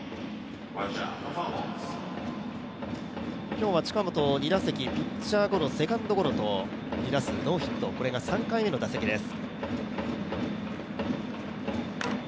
今日は近本、２打席、ピッチャーゴロセカンドゴロと２打数、ノーヒット、これが３回目の打席です。